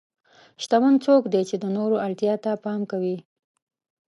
شتمن څوک دی چې د نورو اړتیا ته پام کوي.